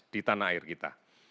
di tanah air kita